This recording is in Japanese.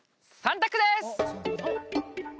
３択です！